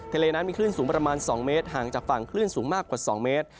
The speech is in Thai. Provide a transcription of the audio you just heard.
ทะเลนั้นมีคลื่นสูงประมาณ๒เมตรห่างจากฝั่งคลื่นสูงมากกว่า๒เมตร